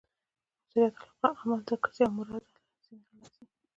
مؤثریت علاقه؛ عمل ذکر سي او مراد ځني آله يي.